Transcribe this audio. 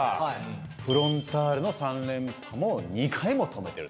フロンターレの３連覇も２回も止めてるってこと。